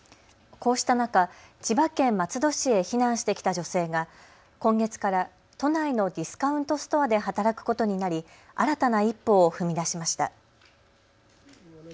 こうした中、千葉県松戸市へ避難してきた女性が今月から都内のディスカウントストアで働くことになり新たな一歩を踏み出しました。